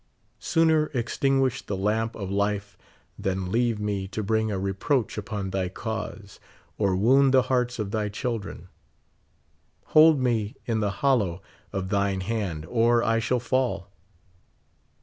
Sooner extinguish the lamp of life than leave me to bring a reproach upon thy cause, or wound the hearts of thy children. Hold me in the hollow of thine hand or I shall fall.